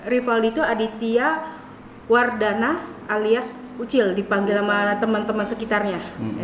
rivaldi itu aditya wardana alias ucil dipanggil sama teman teman sekitarnya